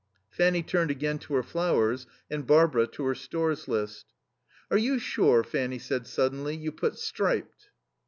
Fanny turned again to her flowers and Barbara to her Stores list. "Are you sure," Fanny said suddenly, "you put 'striped'?"